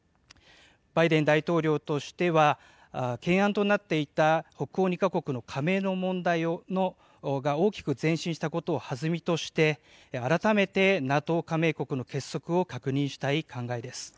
バイデン大統領としては、懸案となっていた北欧２か国の加盟の問題が大きく前進したことをはずみとして、改めてＮＡＴＯ加盟国の結束を確認したい考えです。